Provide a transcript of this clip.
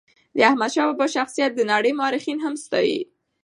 د احمد شاه بابا شخصیت د نړی مورخین هم ستایي.